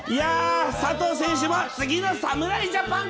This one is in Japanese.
佐藤選手も次の侍ジャパン